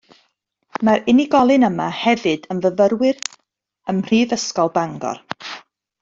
Mae'r unigolyn yma hefyd yn fyfyriwr ym mhrifysgol Bangor